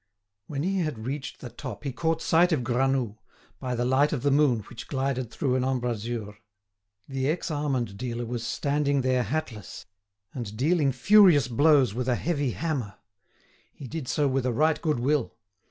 When he had reached the top he caught sight of Granoux, by the light of the moon which glided through an embrasure; the ex almond dealer was standing there hatless, and dealing furious blows with a heavy hammer. He did so with a right good will.